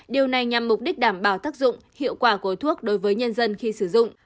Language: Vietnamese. điều này nhằm mục đích đảm bảo tác dụng hiệu quả của thuốc đối với nhân dân khi sử dụng